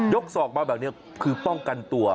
ศอกมาแบบนี้คือป้องกันตัว